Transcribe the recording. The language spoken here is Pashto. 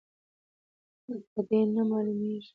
او له دې نه معلومېږي،